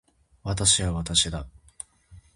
私は私だ。